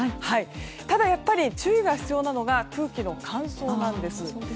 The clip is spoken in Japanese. ただ、やっぱり注意が必要なのが空気の乾燥なんです。